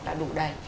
là đủ đầy